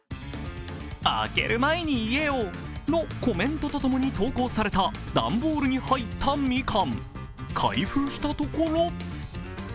開ける前に言えよのコメントと共に投稿された段ボールに入ったみかん。